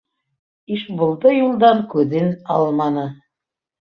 Ишбулды юлдан күҙен алманы.